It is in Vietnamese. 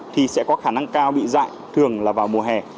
thì sẽ có khả năng cao bị dại thường là vào mùa hè